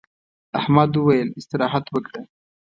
احمد وويل: استراحت وکړه.